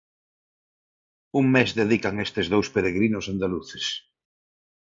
Un mes dedican estes dous peregrinos andaluces.